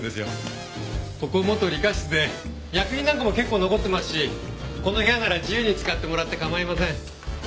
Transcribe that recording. ここ元理科室で薬品なんかも結構残ってますしこの部屋なら自由に使ってもらって構いません。